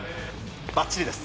ばっちりです。